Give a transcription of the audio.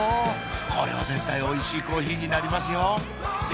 これは絶対おいしいコーヒーになりますよで